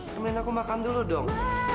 temenin aku makan dulu dong